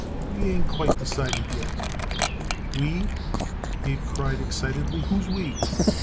"We ain't quite decided yet." "We!" Abe cried excitedly. "Who's we?"